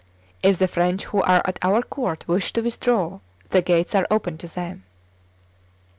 If the French who are at our court wish to withdraw, the gates are open to them."